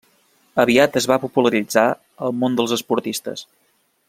Aviat es va popularitzar al món dels esportistes.